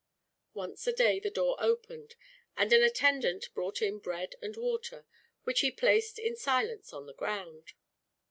Once a day the door opened, and an attendant brought in bread and water, which he placed in silence on the ground.